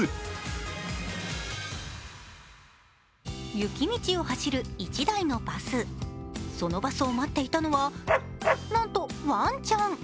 雪道を走る１台のバスそのバスを待っていたのはなんとワンちゃん。